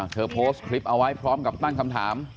โพสต์คลิปเอาไว้พร้อมกับตั้งคำถาม